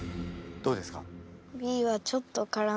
どうですか？